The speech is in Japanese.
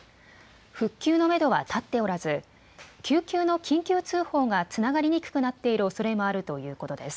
復旧のめどは立っておらず救急の緊急通報がつながりにくくなっているおそれもあるということです。